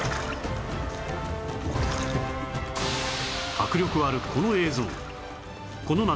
迫力あるこの映像この夏